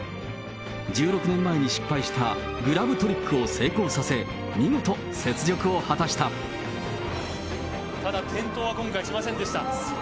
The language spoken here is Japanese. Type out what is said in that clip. １６年前に失敗したグラブトリックを成功させ、見事、ただ、転倒は今回しませんでした。